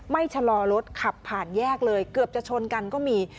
ชะลอรถขับผ่านแยกเลยเกือบจะชนกันก็มี